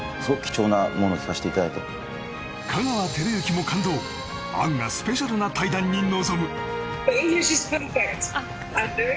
さらに香川照之も感動杏がスペシャルな対談に臨む！